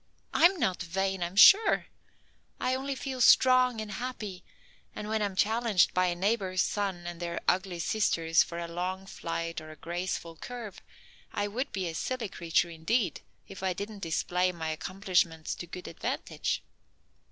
I'm not vain, I'm sure. I only feel strong and happy, and when I'm challenged by a neighbor's sons and their ugly sisters for a long flight or graceful curve, I would be a silly creature indeed if I didn't display my accomplishments to good advantage.